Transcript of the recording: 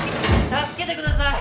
・助けてください！